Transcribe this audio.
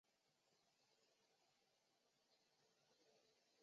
厦门岛原称嘉禾屿。